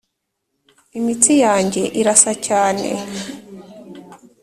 imitsi yanjye irasa cyane,